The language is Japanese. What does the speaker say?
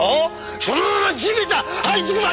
そのまま地べたはいつくばっ